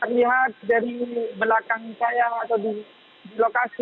terlihat dari belakang saya atau di lokasi